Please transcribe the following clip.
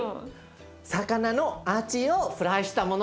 魚のアジをフライしたもの！